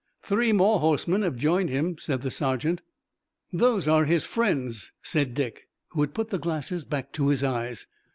"Three more horsemen have joined him," said the sergeant. "Those are his friends," said Dick, who had put the glasses back to his eyes.